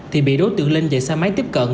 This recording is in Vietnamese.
thì bị đối tượng linh dạy xa máy tiếp cận